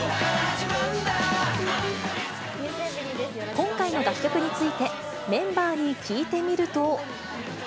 今回の楽曲について、メンバーに聞いてみると。